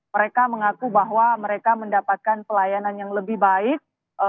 mereka mengaku bahwa mereka mendapatkan pelayanan yang lebih baik